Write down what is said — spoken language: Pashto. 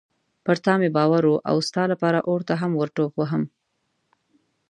پر تا مې باور و او ستا لپاره اور ته هم ورټوپ وهم.